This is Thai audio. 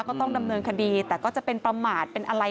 ก็ต้องดำเนินคดีแต่ก็จะเป็นประมาทเป็นอะไร